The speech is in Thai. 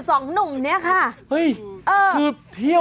ทำไม